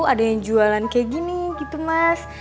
ada yang jualan kayak gini gitu mas